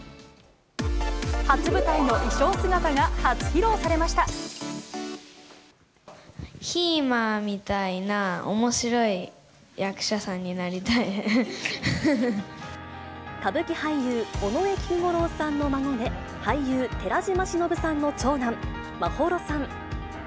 初舞台の衣装姿が初披露されひいまみたいな、おもしろい歌舞伎俳優、尾上菊五郎さんの孫で、俳優、寺島しのぶさんの長男、眞秀さん。